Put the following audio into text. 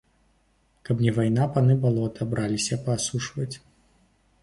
Каб не вайна, паны балота браліся б асушваць.